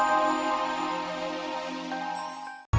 tunggu aku mau ke amerika